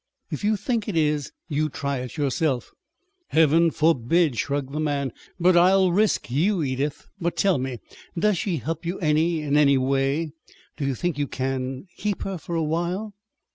If you think it is, you try it yourself." "Heaven forbid!" shrugged the man. "But I'll risk you, Edith. But, tell me does she help you any, in any way? Do you think you can keep her, for a while?"